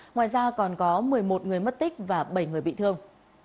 ngoài ra còn có một mươi một người mất tích và bảy người bị thương